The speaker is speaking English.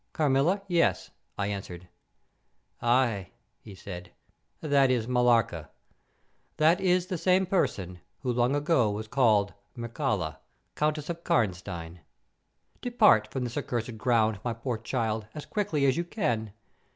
"Carmilla, yes," I answered. "Aye," he said; "that is Millarca. That is the same person who long ago was called Mircalla, Countess Karnstein. Depart from this accursed ground, my poor child, as quickly as you can.